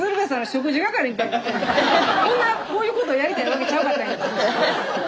こんなこういうことやりたいわけちゃうかったんやけどな。